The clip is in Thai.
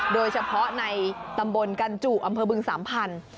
โดยเฉพาะในตำบลกันจุอำเภอบึงสามพันธุ์